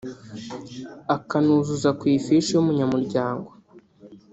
akanuzuza ku ifishi y’umunyamuryango